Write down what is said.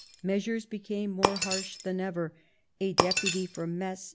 Measures became more harsh than ever ; a Deputy from Metz, M.